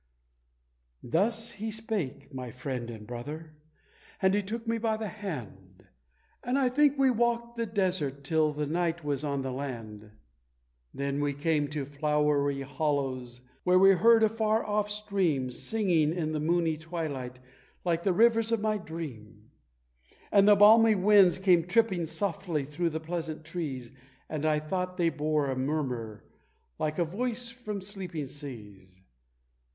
Thus he spake, my friend and brother! and he took me by the hand, And I think we walked the desert till the night was on the land; Then we came to flowery hollows, where we heard a far off stream Singing in the moony twilight, like the rivers of my dream. And the balmy winds came tripping softly through the pleasant trees, And I thought they bore a murmur like a voice from sleeping seas.